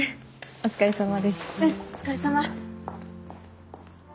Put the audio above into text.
お疲れさま。